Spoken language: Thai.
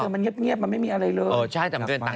มันเงียบมันไม่มีอะไรเลย